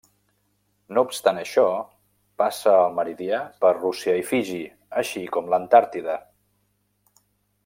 No obstant això, passa el meridià per Rússia i Fiji així com l'Antàrtida.